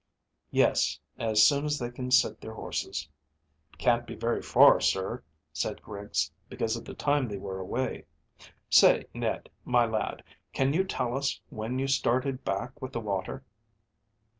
"Yes; as soon as they can sit their horses." "Can't be very far, sir," said Griggs, "because of the time they were away. Say, Ned, my lad, can you tell us when you started back with the water?"